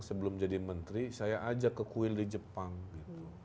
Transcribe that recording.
sebelum jadi menteri saya ajak ke kuil di jepang gitu